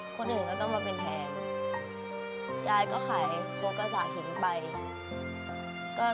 คนอื่นก็ต้องมาเป็นแทนยายก็ขายโคกระสาทิ้งไปก็